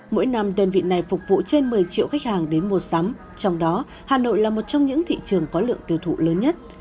mỗi năm đơn vị này phục vụ trên một mươi triệu khách hàng đến mua sắm trong đó hà nội là một trong những thị trường có lượng tiêu thụ lớn nhất